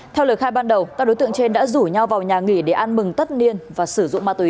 theo lời khai ban đầu các đối tượng trên đã rủ nhau vào nhà nghỉ để an mừng tất niên và sử dụng ma túy